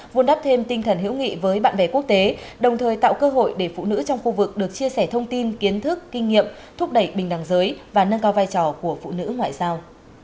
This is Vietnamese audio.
vun đắp thêm tinh thần hữu nghị với bạn bè quốc tế đồng thời tạo cơ hội để phụ nữ trong khu vực được chia sẻ thông tin kiến thức kinh nghiệm thúc đẩy bình đẳng giới và nâng cao vai trò của phụ nữ ngoại giao